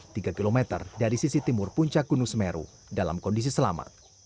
tiga km dari sisi timur puncak gunung semeru dalam kondisi selamat